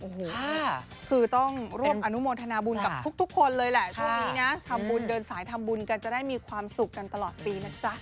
โอ้โหคือต้องร่วมอนุโมทนาบุญกับทุกคนเลยแหละช่วงนี้นะทำบุญเดินสายทำบุญกันจะได้มีความสุขกันตลอดปีนะจ๊ะ